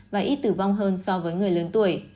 và ít tử vong hơn so với người lớn tuổi